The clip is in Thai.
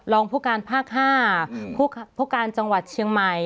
รองผู้การภาค๕ผู้การจังหวัดเชียงใหม่